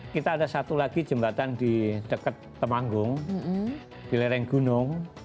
kita ada satu lagi jembatan di dekat temanggung di lereng gunung